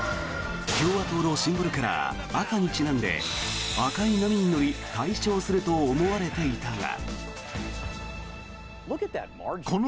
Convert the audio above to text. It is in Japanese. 共和党のシンボルカラー赤にちなんで赤い波に乗り、大勝すると思われていたが。